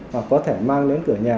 hoặc có thể mang đến cửa nhà